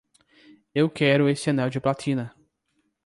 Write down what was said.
Eu quero esse anel de platina!